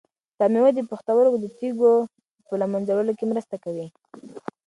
دا مېوه د پښتورګو د تیږو په له منځه وړلو کې مرسته کوي.